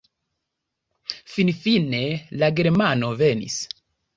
Finfine la germano venis.